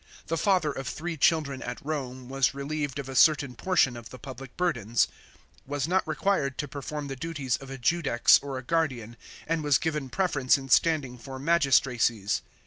The father of three children at Rome, was relieved of a certain portion of the public burdens, was not required to perform the duties of a judex or a guardian, and was given preference in standing for magistracies.